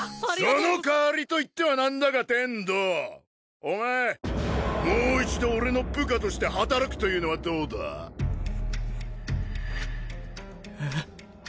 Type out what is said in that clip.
そのかわりと言ってはなんだが天道お前もう一度俺の部下として働くというのはどうだ？えっ？